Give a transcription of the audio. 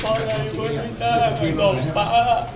เพราะดีต้าคือส่องป๊า